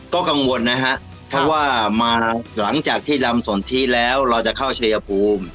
ก็กังวลนะฮะเพราะว่ามาหลังจากที่ลำสนทิแล้วเราจะเข้าชัยภูมิ